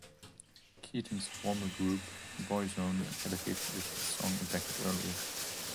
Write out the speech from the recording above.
Keating's former group, Boyzone, had a hit with the song a decade earlier.